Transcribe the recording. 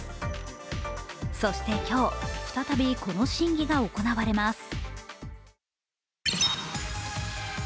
そして今日、再びこの審議が行われます。